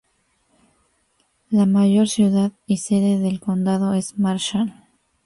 La mayor ciudad y sede del condado es Marshall.